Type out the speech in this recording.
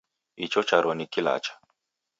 Icho charo ni kilacha.